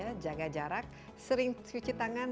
menjaga jarak sering cuci tangan